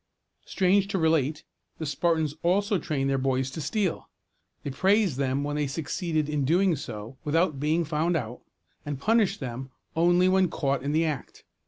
Strange to relate, the Spartans also trained their boys to steal. They praised them when they succeeded in doing so without being found out, and punished them only when caught in the act.